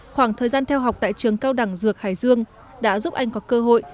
khoảng thời gian theo học tại trường cao đẳng dược hải dương đã giúp anh có cơ hội